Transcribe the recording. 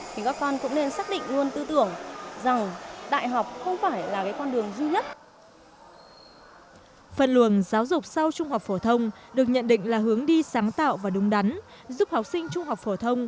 thì các con cũng nên xác định luôn tư tưởng rằng đại học không phải là con đường du lịch